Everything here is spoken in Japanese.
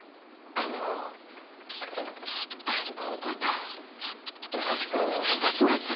あのあん子んことよろしくお願いいたします。